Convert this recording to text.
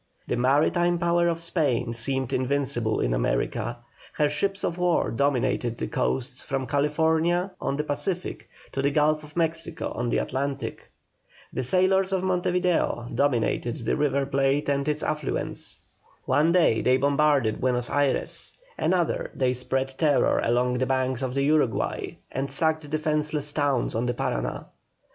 The maritime power of Spain seemed invincible in America; her ships of war dominated the coasts from California on the Pacific to the Gulf of Mexico on the Atlantic. The sailors of Monte Video dominated the River Plate and its affluents. One day they bombarded Buenos Ayres, another they spread terror along the banks of the Uruguay, and sacked defenceless towns on the Parana.